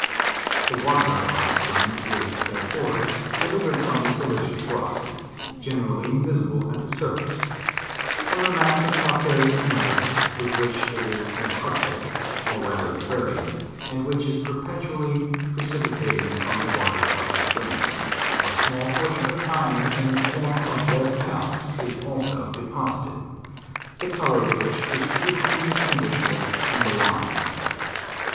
The wa ter of the hot springs is, therefore, delivered from the sili cious rock, generally invisible at the surface, from the mass of calcareous matter with which it is incrusted, or rather bu ried, and which is perpetually precipitating from the water of the springs; a small proportion of iron, in the form of red calx, is also deposited: the color of which is frequently dis tinguishable in the lime.